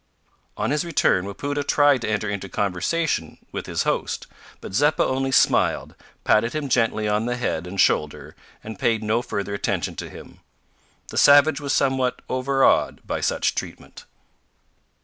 On his return, Wapoota tried to enter into conversation with his host but Zeppa only smiled, patted him gently on the head and shoulder, and paid no further attention to him. The savage was somewhat overawed by such treatment.